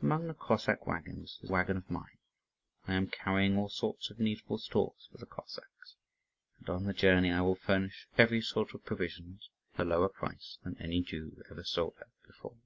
Among the Cossack waggons is a waggon of mine. I am carrying all sorts of needful stores for the Cossacks, and on the journey I will furnish every sort of provisions at a lower price than any Jew ever sold at before.